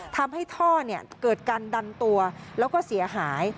ทำให้ท่อเกิดการดันตัวแล้วก็เสียหาย